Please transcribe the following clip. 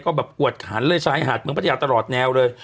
กวดขันเล่นชายหาดเมืองปัทยาตร์ตลอดแนวเลย